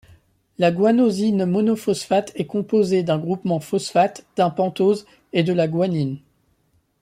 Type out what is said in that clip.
La guanosine monophosphate est composée d'un groupement phosphate, d'un pentose, et de la guanine.